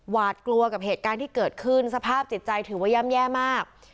หวาดกลัวกับเหตุการณ์ที่เกิดขึ้นสภาพจิตใจถือว่าย่ำแย่มาก